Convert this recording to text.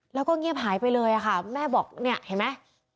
แล้วก็เงียบหายไปเลยค่ะแม่บอกเนี่ยเห็นไหม